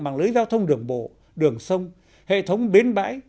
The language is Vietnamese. bằng lưới giao thông đường bộ đường sông hệ thống bến bãi